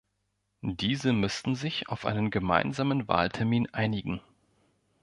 Diese müssten sich auf einen gemeinsamen Wahltermin einigen.